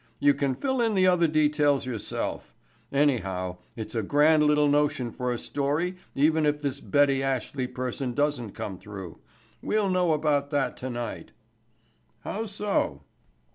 You can fill in the other details yourself. Anyhow, it's a grand little notion for a story even if this Betty Ashley person doesn't come through. We'll know about that tonight." "How so?"